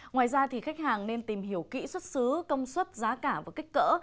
ngoài ra khách hàng nên tìm hiểu kỹ xuất xứ công suất giá cả và kích cỡ